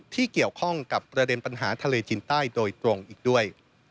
ที่เกี่ยวข้องกับประเด็นปัญหาทะเลจีนใต้โดยตรงอีกด้วย